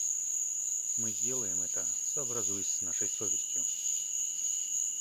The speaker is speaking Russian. Мы сделаем это, сообразуясь с нашей совестью.